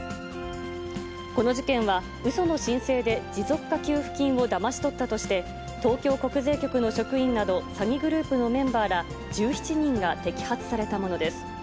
この事件はうその申請で持続化給付金をだまし取ったとして、東京国税局の職員など、詐欺グループのメンバーら１７人が摘発されたものです。